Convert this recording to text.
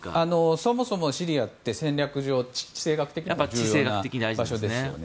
そもそもシリアって地政学的に大事な場所ですよね。